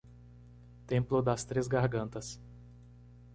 Templo das Três Gargantas